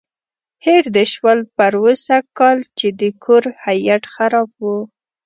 هېر دې شول پروسږ کال چې د کور هیټ خراب و.